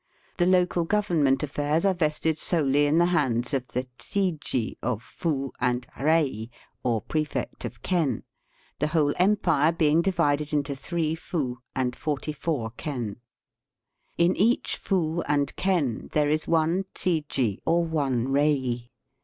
The local government affairs ai'e vested solely in the hands of the chiji of fu and rei, or prefect of ken, the whole empire being divided into 3 fu and 44 ken. In each fu and ken there is one chiji or one rei.